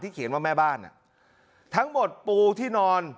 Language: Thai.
เขียนว่าแม่บ้านทั้งหมดปูที่นอน